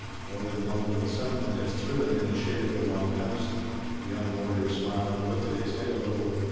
More than one little settlement has thriven in the shade of the Long House." The young warrior smiled and lifted his head a little.